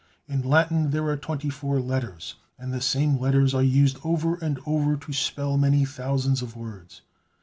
In Latin there are twenty four letters, and the same letters are used over and over to spell many thousands of words.